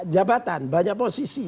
jabatan banyak posisi